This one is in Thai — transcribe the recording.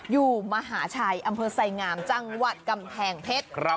มหาชัยอำเภอไสงามจังหวัดกำแพงเพชร